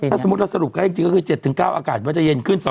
ถ้าสมมุติเราสรุปก็จริงก็คือ๗๙อากาศว่าจะเย็นขึ้น